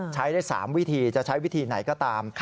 ใช้ได้๓วิธีจะใช้วิธีไหนก็ตาม